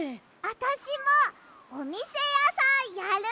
あたしもおみせやさんやる！